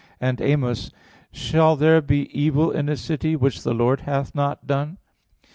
And Amos 3:6, "Shall there be evil in a city, which the Lord hath not done?"